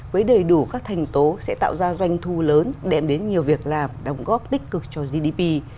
với đầy đủ các thành tố sẽ tạo ra doanh thu lớn đem đến nhiều việc làm đồng góp tích cực cho gdp